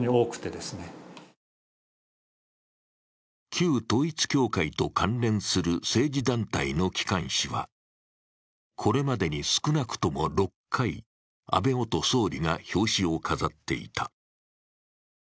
旧統一教会と関連する政治団体の機関紙はこれまでに少なくとも６回、安倍元総理が表紙を飾っていた。